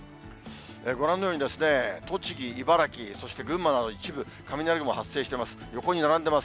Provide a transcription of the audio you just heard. ご覧のように、栃木、茨城、そして群馬など一部、雷雲発生してます。